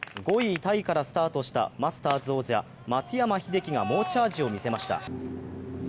５位タイからスタートしたマスターズ王者・松山英樹が猛チャージを見せました。